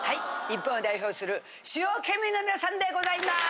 日本を代表する主要県民の皆さんでございます！